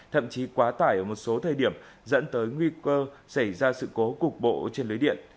thậm chí quá tải ở một số thời điểm dẫn tới nguy cơ xảy ra sự cố cục bộ trên lưới điện